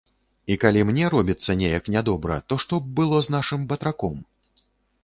І калі мне робіцца неяк нядобра, то што б было з нашым батраком?